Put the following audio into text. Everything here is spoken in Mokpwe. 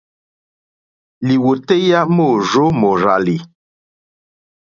Lìwòtéyá môrzó mòrzàlì.